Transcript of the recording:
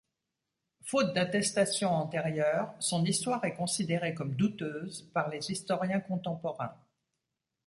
Faute d'attestation antérieure, son histoire est considérée comme douteuse par les historiens contemporains.